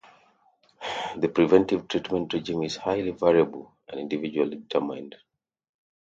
The preventative treatment regime is highly variable and individually determined.